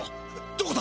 どこだ！？